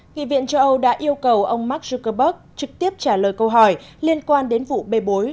nghị viện châu âu đã yêu cầu ông mark zuckerberg trực tiếp trả lời câu hỏi liên quan đến vụ bê bối